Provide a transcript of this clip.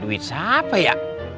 duit siapa ya